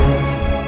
itu ada kebetulan